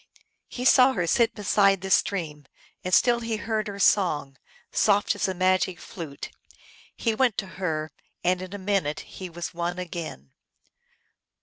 He saw her sit beside the stream, and still he heard her song, soft as a magic flute. He went to her, and in a minute he was won again.